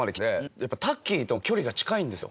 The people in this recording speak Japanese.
やっぱタッキーとも距離が近いんですよ。